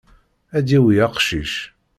Ad d-yawi aqcic.